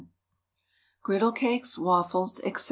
GRIDDLE CAKES, WAFFLES, ETC.